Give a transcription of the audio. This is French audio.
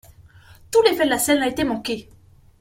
Tout l’effet de la scène a été manqué.